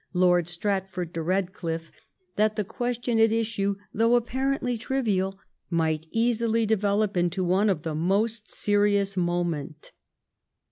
Lord Stratford de Bedcliffe, that the question at issue^. thoiigh apparently triyial, might easily deyelop into one of most serious moment.